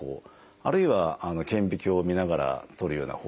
あるいは顕微鏡を見ながら取るような方法。